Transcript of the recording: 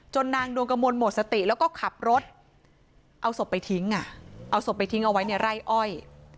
นางดวงกระมวลหมดสติแล้วก็ขับรถเอาศพไปทิ้งอ่ะเอาศพไปทิ้งเอาไว้ในไร่อ้อย